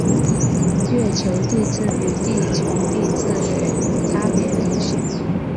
月球地质与地球地质学差别明显。